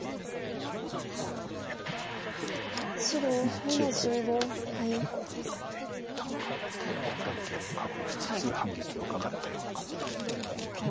一応こう一旦ハッて眼形を確保しつつ反撃をうかがったような感じです。